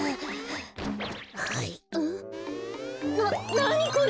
ななにこれ！？